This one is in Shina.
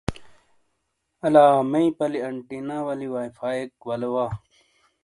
آلا مئی پلی انٹینا والی وائی فائی ولے وا ۔